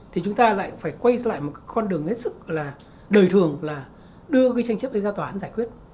thì chúng ta lại phải quay lại một con đường hết sức là đời thường là đưa cái tranh chấp đấy ra tòa án giải quyết